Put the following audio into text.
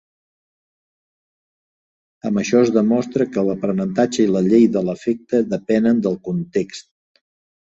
Amb això es demostra que l'aprenentatge i la llei de l'efecte depenen del context.